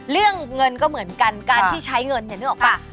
เรื่องเงินก็เหมือนกันการที่ใช้เงินเนี่ยนึกออกป่ะ